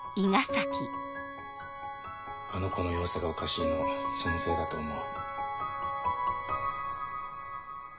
あの子の様子がおかしいのそのせいだと思う。